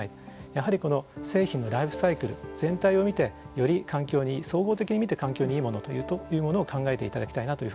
やはりこの製品のライフサイクル全体を見てより環境に総合的に見て環境にいいものをというものを考えていただきたいなというふうに思っています。